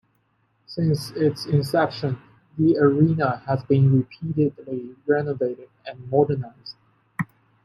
Since its inception, the arena has been repeatedly renovated and modernized.